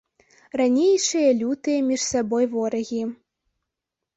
Ранейшыя лютыя між сабой ворагі.